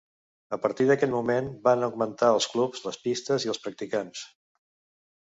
A partir d'aquell moment van augmentar els clubs, les pistes, i els practicants.